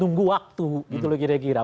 nunggu waktu gitu loh kira kira